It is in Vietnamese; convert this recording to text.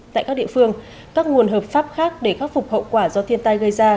tại các địa phương các nguồn hợp pháp khác để khắc phục hậu quả do thiên tai gây ra